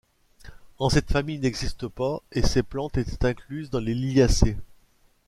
En cette famille n'existe pas et ces plantes étaient incluses dans les Liliacées.